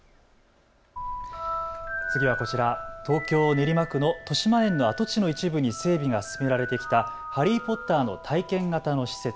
次はこちら、東京練馬区のとしまえんの跡地の一部に整備が進められてきたハリー・ポッターの体験型の施設。